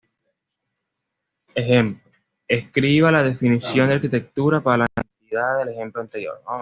Ejemplo: Escriba la definición de arquitectura para la entidad del ejemplo anterior.